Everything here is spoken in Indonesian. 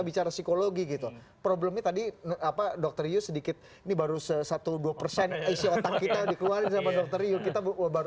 bicara psikologi gitu problemnya tadi apa dokter sedikit ini baru sesuatu dua persen kita baru